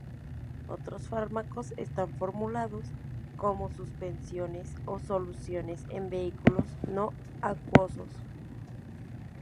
Otros fármacos están formulados como suspensiones o soluciones en vehículos no acuosos.